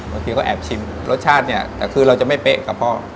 คือเขาแอบชิมรสชาติเนี่ยแต่คือเราจะไม่เป๊ะกับพ่อ